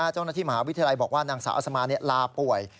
เจ้าหน้าที่มหาวิทยาลัยบอกว่านางสาวอัศมาลาป่วย